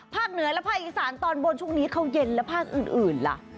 เหนือและภาคอีสานตอนบนช่วงนี้เขาเย็นและภาคอื่นล่ะ